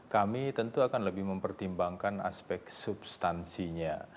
kami tentu akan lebih mempertimbangkan aspek substansinya